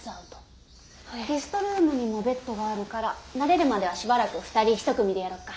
ゲストルームにもベッドがあるから慣れるまではしばらく二人一組でやろっか。